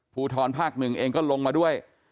ภูทรภาค๑เองก็ลงมาด้วย